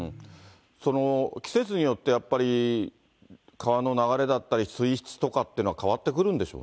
季節によって、やっぱり川の流れだったり水質とかってのは変わってくるんでしょ